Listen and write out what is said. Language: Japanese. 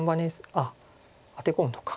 あっアテ込むのか。